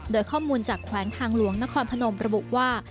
โดยข้อมูลจากแขวงทางหลวงนครพนมระบุว่า